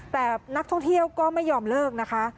แต่นักท่องเที่ยวก็ไม่ยอมเลิกนะคะ